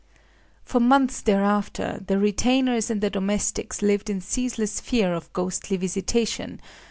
For months thereafter, the retainers and the domestics lived in ceaseless fear of ghostly visitation.